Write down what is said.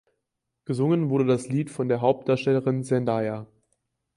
Gesungen wurde das Lied von der Hauptdarstellerin Zendaya.